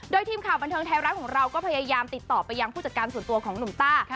โดยทีมข่าวบันเทิงไทยรัฐของเราก็พยายามติดต่อไปยังผู้จัดการส่วนตัวของหนุ่มต้า